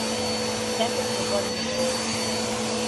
Sempre se pode mellorar.